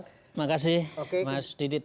terima kasih mas didi